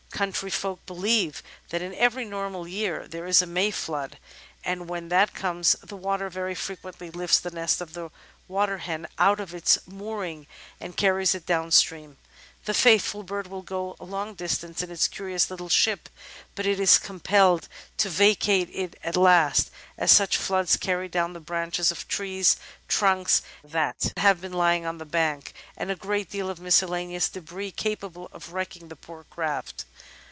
Country folk believe that in every normal year there is a May flood, and when that comes the water very frequently lifts the nest of the Waterhen out of its mooring and carries it down stream. The faithful bird will go a long distance in its curious little ship, but is compelled to vacate it at last, as such floods carry down the branches of trees, trunks that have been lying on the bank, and a great deal of miscellaneous debris capable of wrecking the poor craft.